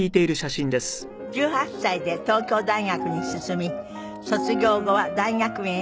１８歳で東京大学に進み卒業後は大学院へ進みました。